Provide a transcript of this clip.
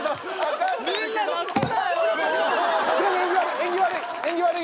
縁起悪い。